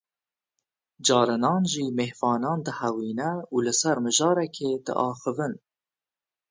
Carinan jî mêhvanan dihewîne û li ser mijarekê diaxivin